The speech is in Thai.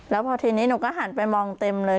แล้วพอทีนี้หนูก็หันไปมองเต็มเลย